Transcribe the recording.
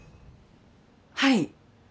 はい